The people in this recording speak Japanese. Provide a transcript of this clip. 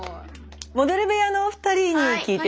モデル部屋のお二人に聞いてみましょう。